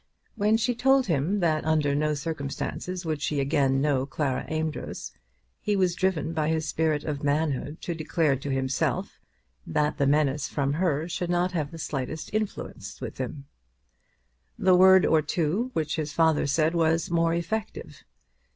When she told him that under no circumstances would she again know Clara Amedroz, he was driven by his spirit of manhood to declare to himself that that menace from her should not have the slightest influence on him. The word or two which his father said was more effective.